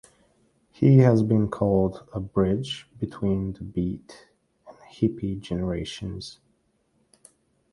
He has been called a bridge between the Beat and Hippie generations.